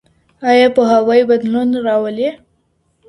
ايا پوهاوی بدلون راولي؟